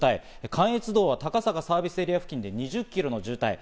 関越道は高坂サービスエリア付近で２０キロの渋滞。